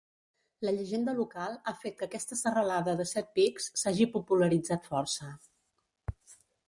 La llegenda local ha fet que aquesta serralada de set pics s'hagi popularitzat força.